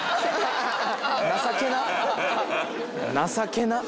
情けなっ。